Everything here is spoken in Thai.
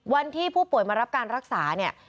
วันที่ผู้ป่วยมารับการรักษาเนี่ย